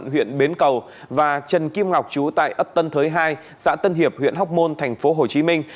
huyện bến cầu và trần kim ngọc chú tại ấp tân thới hai xã tân hiệp huyện học môn thành phố hồ chí minh